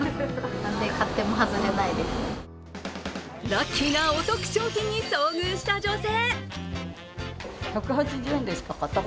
ラッキーなお得商品に遭遇した女性。